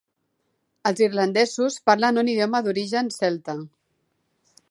Els irlandesos parlen un idioma d'origen celta.